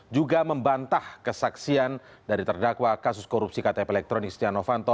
juga membantah kesaksian dari terdakwa kasus korupsi ktp elektronik stiano fanto